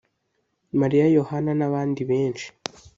Mariya Yohana n’abandi benshi